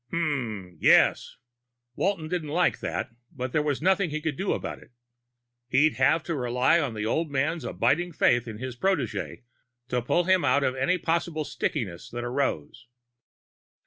"Umm. Yes." Walton didn't like that, but there was nothing he could do about it. He'd have to rely on the old man's abiding faith in his protégé to pull him out of any possible stickiness that arose.